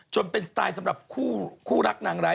จนเป็นสไตล์สำหรับคู่รักนางร้าย